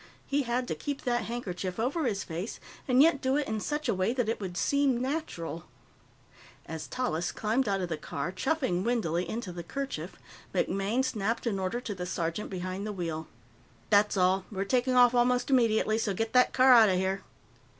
He had to keep that handkerchief over his face, and yet do it in such a way that it would seem natural. As Tallis climbed out of the car, chuffing windily into the kerchief, MacMaine snapped an order to the sergeant behind the wheel. "That's all. We're taking off almost immediately, so get that car out of here."